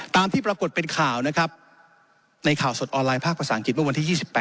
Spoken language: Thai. ที่ปรากฏเป็นข่าวนะครับในข่าวสดออนไลน์ภาคภาษาอังกฤษเมื่อวันที่๒๘